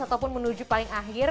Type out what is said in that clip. ataupun menuju paling akhir